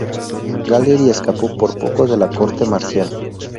Gallery escapó por poco de la corte marcial.